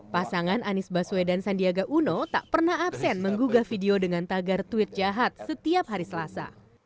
pasangan anies baswedan sandiaga uno tak pernah absen menggugah video dengan tagar tweet jahat setiap hari selasa